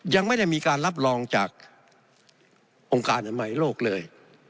ยังไม่ได้มีการรับรองจากองค์การอนามัยโลกเลย